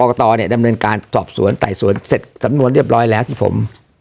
กตเนี่ยดำเนินการสอบสวนไต่สวนเสร็จสำนวนเรียบร้อยแล้วที่ผม